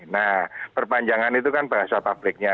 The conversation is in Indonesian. nah perpanjangan itu kan bahasa pabriknya